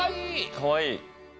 かわいい！